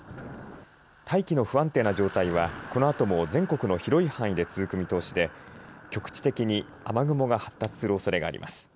大気の不安定な状態はこのあとも全国の広い範囲で続く見通しで局地的に雨雲が発達するおそれがあります。